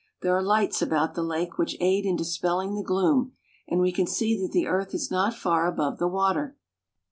There are lights about the lake which aid in dispelling the gloom, and we can see that the earth is not far above the water.